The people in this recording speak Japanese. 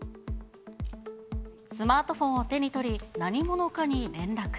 スマートフォンを手に取り、何者かに連絡。